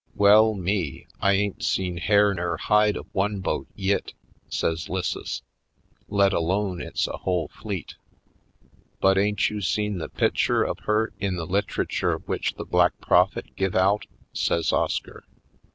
"Well, me, I ain't seen hair nur hide of one boat yit," says 'Lisses, "let alone it's a whole fleet." "But ain't you seen the pitcher of her in the litrychure w'ich the Black Prophet give out?" says Oscar.